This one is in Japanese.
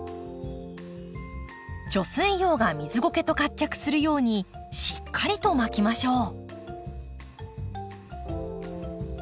貯水葉が水ごけと活着するようにしっかりと巻きましょう。